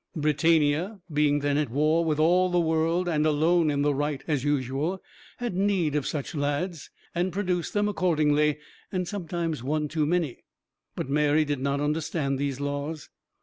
Britannia, being then at war with all the world, and alone in the right (as usual), had need of such lads, and produced them accordingly, and sometimes one too many. But Mary did not understand these laws.